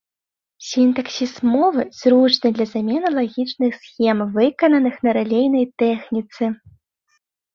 Сінтаксіс мовы зручны для замены лагічных схем, выкананых на рэлейнай тэхніцы.